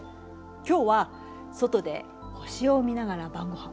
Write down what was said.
今日は外で星を見ながら晩ごはん。